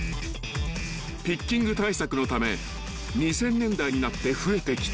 ［ピッキング対策のため２０００年代になって増えてきた］